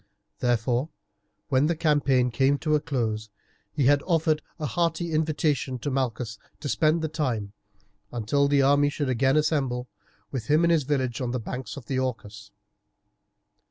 Therefore, when the campaign came to a close, he had offered a hearty invitation to Malchus to spend the time, until the army should again assemble, with him in his village on the banks of the Orcus.